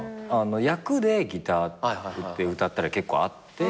役でギター歌ったら結構合って。